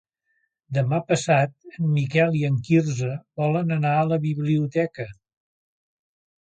Demà passat en Miquel i en Quirze volen anar a la biblioteca.